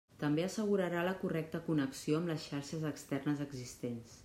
També assegurarà la correcta connexió amb les xarxes externes existents.